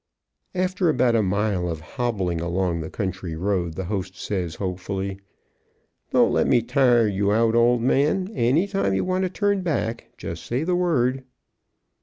After about a mile of hobbling along the country road the host says, hopefully: "Don't let me tire you out, old man. Any time you want to turn back, just say the word."